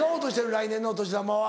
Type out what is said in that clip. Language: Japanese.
来年のお年玉は。